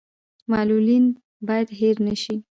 معلولین باید هیر نشي